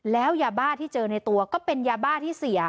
แล้วยาบ้าที่เจอในตัวก็เป็นยาบ้าที่เสีย